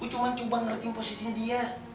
gua cuma coba ngerti posisinya dia